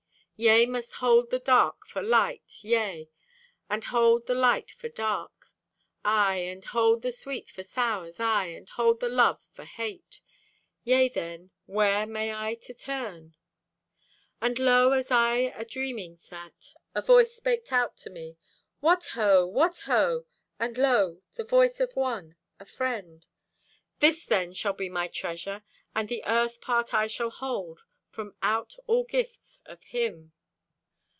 Yea, must hold The dark for light, yea, and hold the light for dark, Aye, and hold the sweet for sours, aye, and hold The love for Hate. Yea, then, where may I to turn? And lo, as I adreaming sat A voice spaked out to me: What ho! What ho! And lo, the voice of one, a friend! This, then, shall be my treasure, And the Earth part I shall hold From out all gifts of Him.